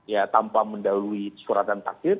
ya tanpa mendahului suratan takdir